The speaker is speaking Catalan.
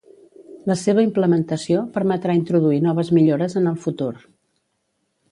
La seva implementació permetrà introduir noves millores en el futur.